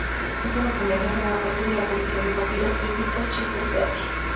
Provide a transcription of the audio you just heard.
Este documento forma parte de la colección de Papiros bíblicos Chester Beatty.